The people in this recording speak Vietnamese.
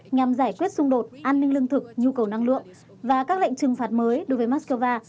nhằm giải quyết xung đột an ninh lương thực nhu cầu năng lượng và các lệnh trừng phạt mới đối với moscow